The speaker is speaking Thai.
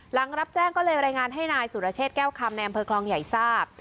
หลังรับแจ้งก็เลยรายงานให้นายสุรเชษแก้วคำในอำเภอคลองใหญ่ทราบ